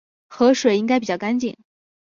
河水应该比较干净